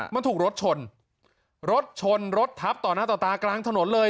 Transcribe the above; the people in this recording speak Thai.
มันถูกรถชนรถชนรถทับต่อหน้าต่อตากลางถนนเลย